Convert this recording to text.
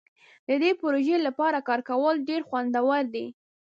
د دې پروژې لپاره کار کول ډیر خوندور دي.